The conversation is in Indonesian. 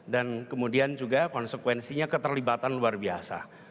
dan kemudian juga konsekuensinya keterlibatan luar biasa